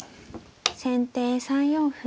先手３四歩。